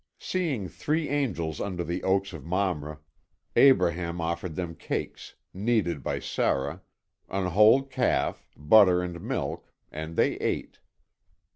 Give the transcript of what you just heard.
Seeing three angels under the oaks of Mamre, Abraham offered them cakes, kneaded by Sarah, an whole calf, butter and milk, and they ate.